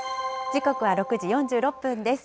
時刻は６時４６分です。